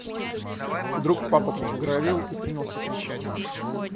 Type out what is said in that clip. Вдруг папа побагровел и принялся кричать.